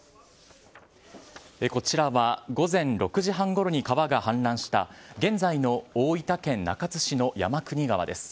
こちらは午前６時半ごろに川が氾濫した現在の大分県中津市の山国川です。